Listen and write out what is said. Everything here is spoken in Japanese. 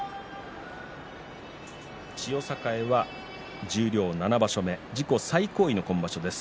千代栄は十両７場所目自己最高位の今場所です。